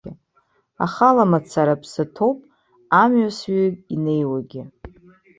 Ахала мацара аԥсы ҭоуп, амҩасҩы инеиуагьы.